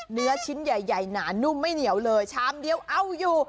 ชิ้นใหญ่หนานุ่มไม่เหนียวเลยชามเดียวเอาอยู่